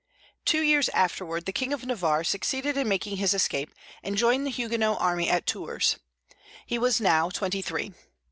Two years afterward the King of Navarre succeeded in making his escape, and joined the Huguenot army at Tours. He was now twenty three.